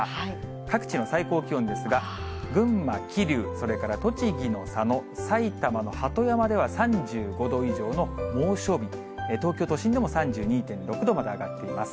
各地の最高気温ですが、群馬・桐生、それから栃木の佐野、埼玉の鳩山では３５度以上の猛暑日と、東京都心でも３２．６度まで上がっています。